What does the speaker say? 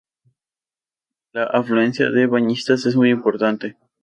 La afluencia de bañistas es muy importante.